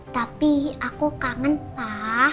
tapi aku kangen pa